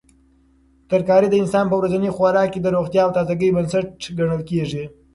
ترکاري د انسان په ورځني خوراک کې د روغتیا او تازګۍ بنسټ ګڼل کیږي.